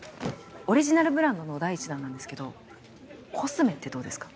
オリジナルブランドの第１弾なんですけどコスメってどうですか？